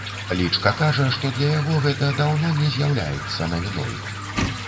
Лічка кажа, што для яго гэта даўно не з'яўляецца навіной.